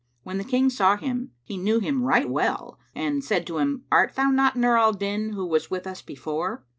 When the King saw him, he knew him right well and said to him, "Art thou not Nur al Din, who was with us before?"